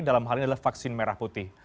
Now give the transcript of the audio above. dalam hal ini adalah vaksin merah putih